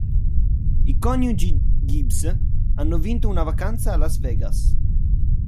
I coniugi Gibbs hanno vinto una vacanza a Las Vegas.